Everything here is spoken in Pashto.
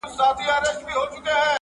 زما رباب کي د یو چا د زلفو تار دی,